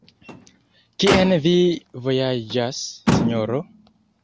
Kien vi vojaĝas, Sinjoro?